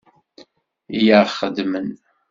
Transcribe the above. I aɣ-xedmen.